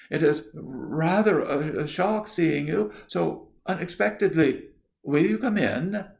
"It is rather a shock seeing you so unexpectedly. Will you come in?"